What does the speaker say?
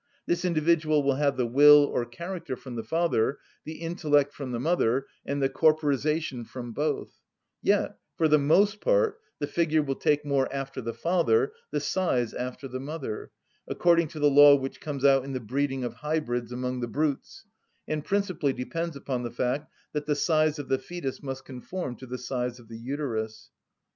This individual will have the will, or character, from the father, the intellect from the mother, and the corporisation from both; yet, for the most part, the figure will take more after the father, the size after the mother,—according to the law which comes out in the breeding of hybrids among the brutes, and principally depends upon the fact that the size of the fœtus must conform to the size of the uterus.